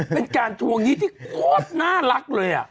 เป็นการทวงหนี้ที่โคตรน่ารักเลย